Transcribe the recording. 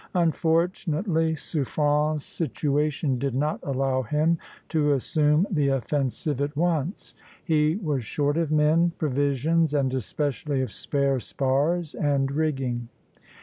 Unfortunately, Suffren's situation did not allow him to assume the offensive at once. He was short of men, provisions, and especially of spare spars and rigging.